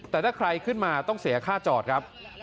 แต่ถ้าใครขึ้นมาต้องเสียค่าจอดครับ